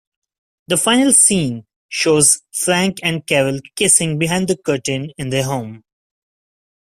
The final scene shows Frank and Carol kissing behind the curtain in their home.